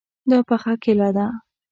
دا پخه کیله ده